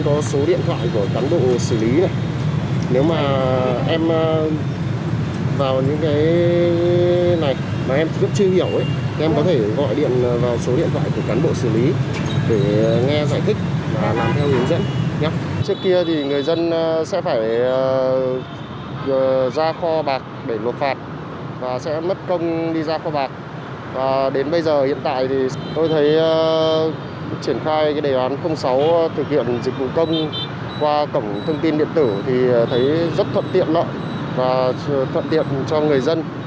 trước kia thì người dân sẽ phải ra kho bạc để luộc phạt và sẽ mất công đi ra kho bạc và đến bây giờ hiện tại thì tôi thấy triển khai cái đề án sáu thực hiện dịch vụ công qua cổng thông tin điện tử thì thấy rất thuận tiện lợi và thuận tiện cho người dân